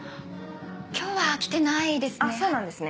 今日は来てないですね。